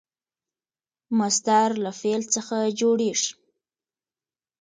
مصدر له فعل څخه جوړیږي.